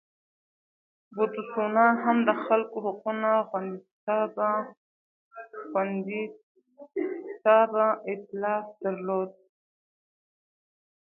بوتسوانا هم د خلکو حقونو خوندیتابه اېتلاف درلود.